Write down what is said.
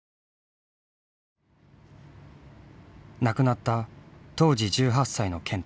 亡くなった当時１８歳の健太。